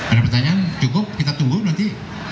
ada pertanyaan cukup kita tunggu nanti